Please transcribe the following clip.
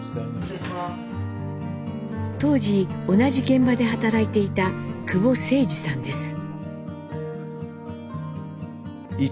当時同じ現場で働いていた久保成司さんです。